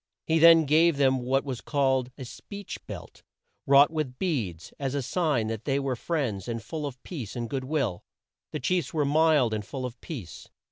He then gave them what was called a "speech belt," wrought with beads, as a sign that they were friends and full of peace and good will. The chiefs were mild and full of peace.